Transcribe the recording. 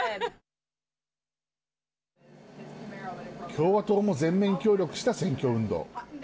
共和党も全面協力した選挙運動。